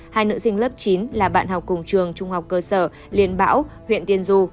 hai nữ sinh lớp chín là bạn học cùng trường trung học cơ sở liên bão huyện tiên du